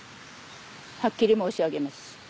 はっきり申し上げます。